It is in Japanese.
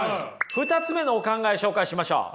２つ目のお考え紹介しましょう。